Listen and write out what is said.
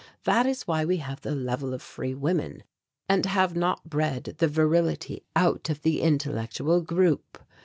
That is why we have the Level of Free Women and have not bred the virility out of the intellectual group.